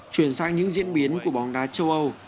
chuyển sang những diễn biến của bóng đá châu âu